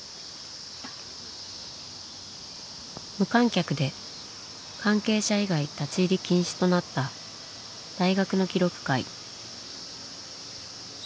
無観客で関係者以外立ち入り禁止となった大学の記録会。